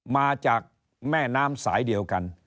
มาจากแม่น้ำสายเดียวกัน